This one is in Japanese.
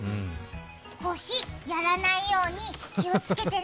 腰やらないように気をつけてね。